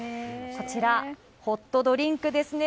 こちら、ホットドリンクですね。